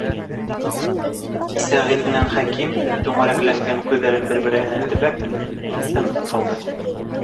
Сәғит менән Хәким, түңәрәкләнгән күҙҙәрен бер-беренә төбәп, тынып ҡалды.